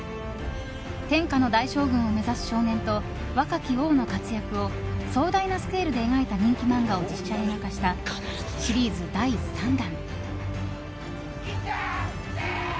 天下の大将軍を目指す少年と若き王の活躍を壮大なスケールで描いた人気漫画を実写映画化したシリーズ第３弾。